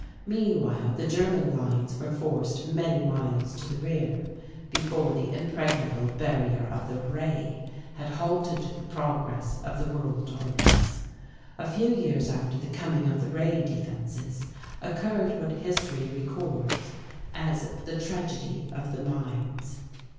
Meanwhile the German lines were forced many miles to the rear before the impregnable barrier of the Ray had halted the progress of the World Armies. A few years after the coming of the Ray defences, occurred what history records as "The Tragedy of the Mines."